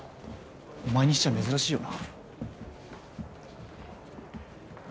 お前にしちゃ珍しいよな。